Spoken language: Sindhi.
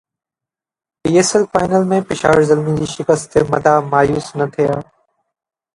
P S L final ۾ Peshawar Zalmi جي شڪست تي مداح مايوس نه ٿيا